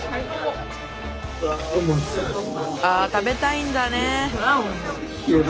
あ食べたいんだね。